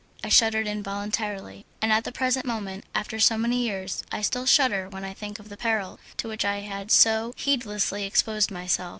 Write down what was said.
I shuddered involuntarily; and at the present moment, after so many years, I still shudder when I think of the peril to which I had so heedlessly exposed myself.